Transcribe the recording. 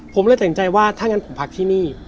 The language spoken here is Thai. ผมเลยแต่งใจว่าถ้างั้นผมพักที่นี่